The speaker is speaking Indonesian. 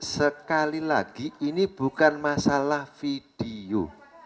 sekali lagi ini bukan masalah video